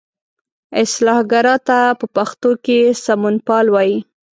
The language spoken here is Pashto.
اصلاح ګرا ته په پښتو کې سمونپال وایي.